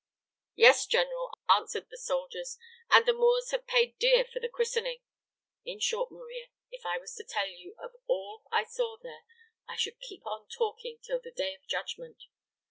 'Yes, General,' answered the soldiers, 'and the Moors have paid dear for the christening.' In short, Maria, if I was to tell you of all I saw there, I should keep on talking till the Day of Judgment.